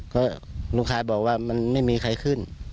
ก็ลูกค้าบอกว่ามันไม่มีใครขึ้น